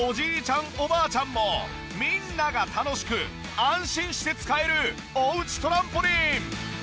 おばあちゃんもみんなが楽しく安心して使えるおうちトランポリン。